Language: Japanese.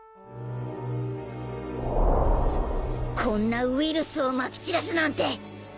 こんなウイルスをまき散らすなんて。